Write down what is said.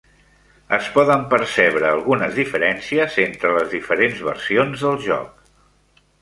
Es poden percebre algunes diferències entre les diferents versions del joc.